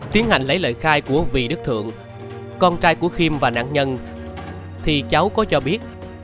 tiến hành lấy lời khai của vị đức thượng con trai của khiêm và nạn nhân thì cháu có cho biết